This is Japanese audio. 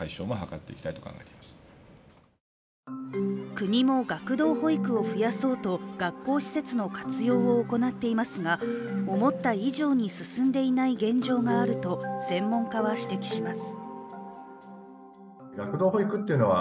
国も学童保育を増やそうと学校施設の活用を行っていますが、思った以上に進んでいない現状があると専門家は指摘します。